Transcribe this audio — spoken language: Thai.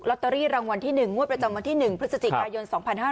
ตเตอรี่รางวัลที่๑งวดประจำวันที่๑พฤศจิกายน๒๕๕๙